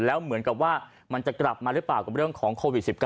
แล้วเหมือนกับว่ามันจะกลับมาหรือเปล่ากับเรื่องของโควิด๑๙